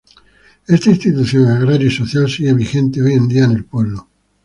Esta institución agraria y social sigue vigente hoy en día en el pueblo.